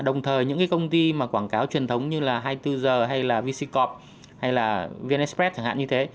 đồng thời những công ty quảng cáo truyền thống như hai mươi bốn h hay vc corp hay vn express chẳng hạn như thế